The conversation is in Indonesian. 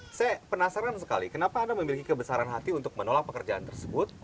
oke saya penasaran sekali kenapa anda memiliki kebesaran hati untuk menolak pekerjaan tersebut